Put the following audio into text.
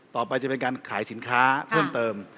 ต่อไปจะเป็นการขายสินค้าเพิ่มเติม